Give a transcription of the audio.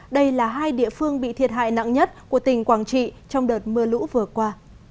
đây là hai địa phương bị thiệt hại nặng nhất của tỉnh quảng trị trong đợt mưa lũ vừa qua